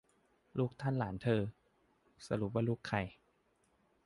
ลูกท่านหลานเธอ สรุปว่าลูกใคร